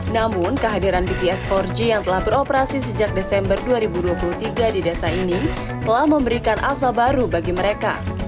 namun kehadiran bts empat g yang telah beroperasi sejak desember dua ribu dua puluh tiga di desa ini telah memberikan asa baru bagi mereka